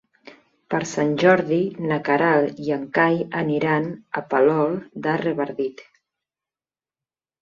Per Sant Jordi na Queralt i en Cai aniran a Palol de Revardit.